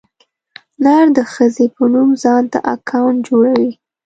نر د ښځې په نوم ځانته اکاونټ جوړوي.